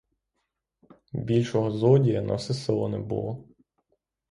Більшого злодія на все село не було.